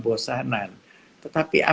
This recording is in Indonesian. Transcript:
bahwa kita sudah yang meningkat